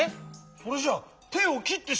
それじゃてをきってしまうぞ。